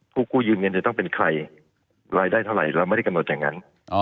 ผู้กู้ยืมเงินจะต้องเป็นใครรายได้เท่าไหร่เราไม่ได้กำหนดอย่างนั้น